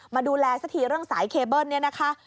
มาดูแลสักทีเรื่องสายเคเบิ้ลเนี่ยนะคะ